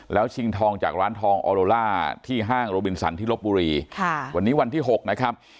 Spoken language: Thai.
แล้วชิงทองจากร้านทองออโลล่าที่ห้างโรบินสันที่ลบบุรีค่ะวันนี้วันที่๖นะครับ